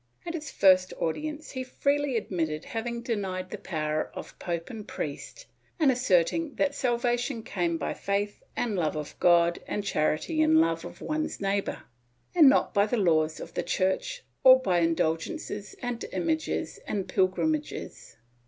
At his first audience he freely admitted having denied the power of pope and priest and asserted that salvation came by faith and love of God and charity and love of one's neighbor, and not by the laws of the Church or by indulgences and images and pilgrimages.